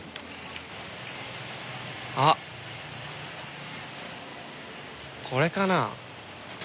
あこれかな。